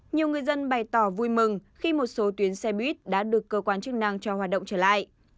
nhiều người dân bày tỏ vui mừng khi một số tuyến xe buýt đã được cơ quan chức năng cho hoạt động trở lại